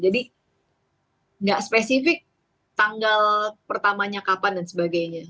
jadi nggak spesifik tanggal pertamanya kapan dan sebagainya